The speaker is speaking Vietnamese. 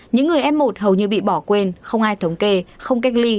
những người f một hầu như bị bỏ quên không ai thống kê không cách ly